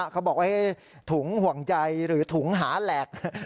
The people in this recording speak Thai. เขาบอกว่าถุงห่วงใยหรือถุงหาแหลก